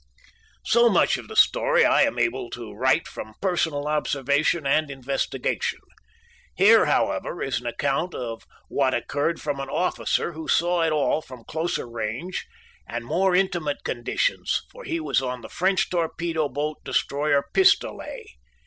So much of the story I am able to write from personal observation and investigation. Here, however, is an account of what occurred from an officer who saw it all from closer range and more intimate conditions, for he was on the French torpedo boat destroyer Pistolet.